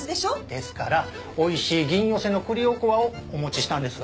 ですからおいしい銀寄の栗おこわをお持ちしたんですが。